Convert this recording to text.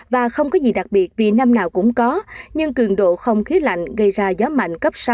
và không có gì đặc biệt vì năm nào cũng có nhưng cường độ không khí lạnh gây ra gió mạnh cấp sáu